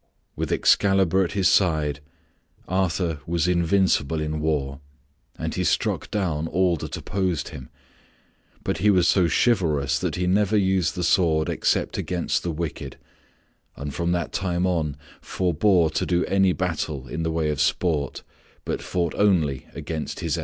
With Excalibur at his side, Arthur was invincible in war and he struck down all that opposed him but he was so chivalrous that he never used the sword except against the wicked, and from that time on forbore to do any battle in the way of sport, but fought only against his enemies.